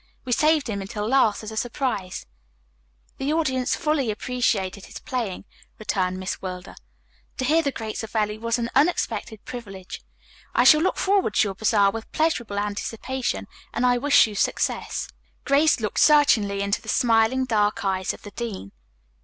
We saved him until last as a surprise number." "The audience fully appreciated his playing," returned Miss Wilder. "To hear the great Savelli was an unexpected privilege. I shall look forward to your bazaar with pleasurable anticipation and I wish you success." Grace looked searchingly into the smiling, dark eyes of the dean.